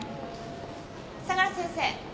相良先生。